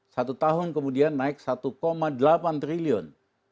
satu tahun kemudian naik satu delapan triliun